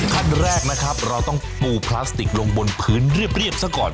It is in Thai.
ขั้นแรกนะครับเราต้องปูพลาสติกลงบนพื้นเรียบซะก่อน